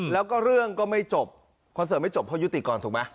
แล้วก็เรื่องก็ไม่จบคอนเสิร์ตไม่จบเพราะยุติก่อนถูกไหม